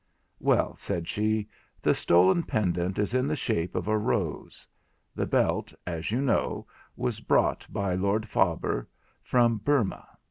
'Well,' said she, 'the stolen pendant is in the shape of a rose. The belt, as you know, was brought by Lord Faber from Burmah.